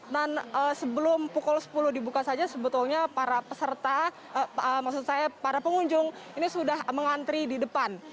dan sebelum pukul sepuluh dibuka saja sebetulnya para peserta maksud saya para pengunjung ini sudah mengantri di depan